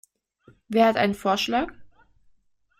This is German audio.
Wer hat einen Vorschlag?